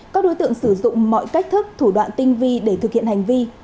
các đối tượng sử dụng mọi cách thức thủ đoạn tinh vi để thực hiện hành vi